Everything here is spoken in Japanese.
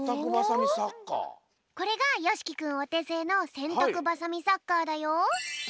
これがよしきくんおてせいのせんたくバサミサッカーだよ！